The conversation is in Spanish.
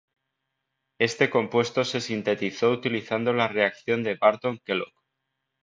Este compuesto se sintetizó utilizando la reacción de Barton-Kellogg.